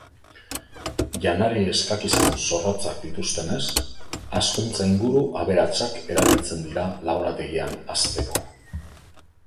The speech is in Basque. Janari eskakizun zorrotzak dituztenez, hazkuntza-inguru aberatsak erabiltzen dira laborategian hazteko.